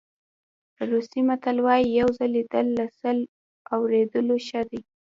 روسي متل وایي یو ځل لیدل له سل اورېدلو ښه دي.